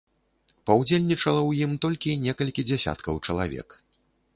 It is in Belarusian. Паўдзельнічала ў ім толькі некалькі дзясяткаў чалавек.